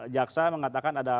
jaksa mengatakan ada